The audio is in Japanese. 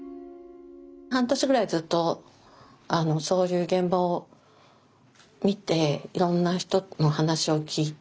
半年ぐらいずっとそういう現場を見ていろんな人の話を聞いて。